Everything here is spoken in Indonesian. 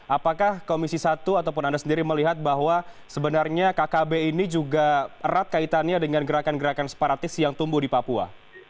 apakah komisi satu ataupun anda sendiri melihat bahwa sebenarnya kkb ini juga erat kaitannya dengan gerakan gerakan separatis yang tumbuh di papua